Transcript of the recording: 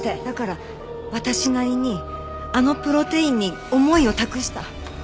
だから私なりにあのプロテインに思いを託した。